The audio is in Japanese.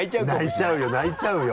泣いちゃうよ泣いちゃうよ。